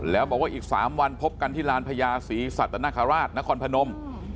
แล้วบอกว่าอีก๓วันพบกันที่ลานพญาศรีสัตนคราชนครพนม